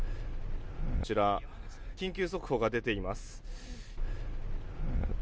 緊急速報が出ています。